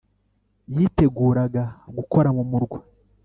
yiteguraga gukora mu murwa.